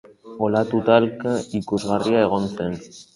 Olatu talka ikusgarria egon zen.